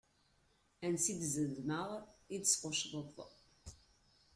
Ansi i d-zedmeɣ, i d-tesquccḍeḍ.